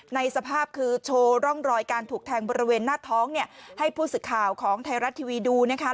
สภาพคือโชว์ร่องรอยการถูกแทงบริเวณหน้าท้องเนี่ยให้ผู้สื่อข่าวของไทยรัฐทีวีดูนะคะ